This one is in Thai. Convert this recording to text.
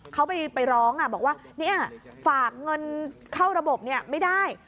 เขาไปร้องบอกว่าฝากเงินเข้าระบบไม่ได้